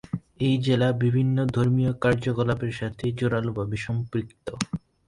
এই জেলা বিভিন্ন ধর্মীয় কার্যকলাপের সাথে জোরালোভাবে সম্পৃক্ত।